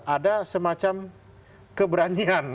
ada semacam keberanian